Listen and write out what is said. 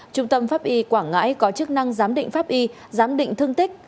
trung tâm pháp y quảng ngãi có chức năng giám định pháp y giám định thương tích